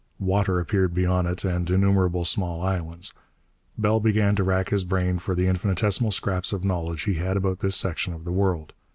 Water appeared beyond it, and innumerable small islands. Bell began to rack his brain for the infinitesimal scraps of knowledge he had about this section of the world.